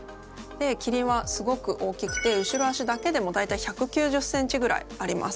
キリンはすごく大きくて後ろ足だけでも大体１９０ｃｍぐらいあります。